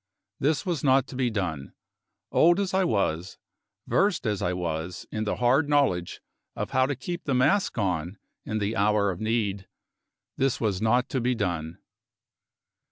This was not to be done. Old as I was, versed as I was in the hard knowledge of how to keep the mask on in the hour of need, this was not to be done.